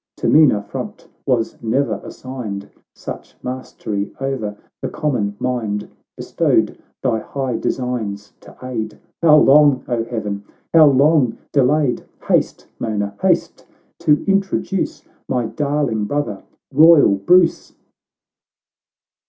To meaner front was ne'er assigned Such mastery o'er the common mind — Bestowed thy high designs to aid, How long, O Heaven ! how long delayed !— Haste, Mona, haste, to introduce My darling brother, royal Bruce